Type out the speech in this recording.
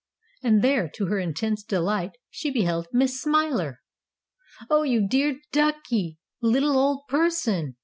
And there, to her intense delight, she beheld Miss Smiler. "Oh, you dear, duckie, little old person!"